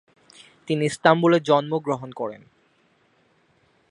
তিনি ইস্তাম্বুলে জন্মগ্রহণ করেন।